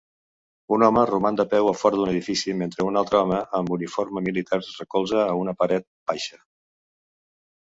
Un home roman de peu a fora d'un edifici mentre un altre home amb uniforme militar es recolza en una paret baixa